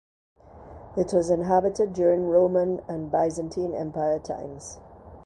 It was inhabited during Roman and Byzantine Empire times.